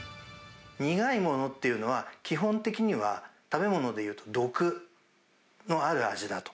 苦いものっていうのは、基本的には食べ物でいうと毒のある味だと。